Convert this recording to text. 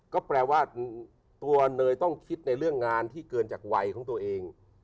ก็แปลว่าตัวเนยต้องคิดในเรื่องงานที่เกินจากวัยของตัวเอง